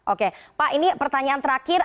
oke pak ini pertanyaan terakhir